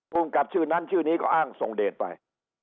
ภูมิกับชื่อนั้นชื่อนี้ก็อ้างทรงเดชไป